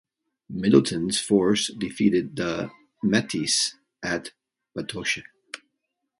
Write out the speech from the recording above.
Middelton's force defeated the Metis at Batoche.